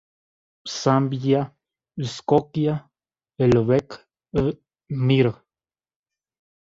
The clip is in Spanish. Самый высокий человек в мире.